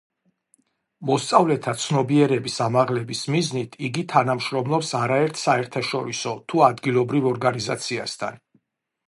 მოსწავლეთა ცნობიერების ამაღლების მიზნით იგი თანამშრომლობს არაერთ საერთაშორისო თუ ადგილობრივ ორგანიზაციასთან.